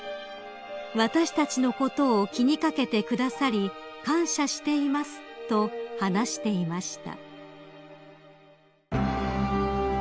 「私たちのことを気に掛けてくださり感謝しています」と話していました］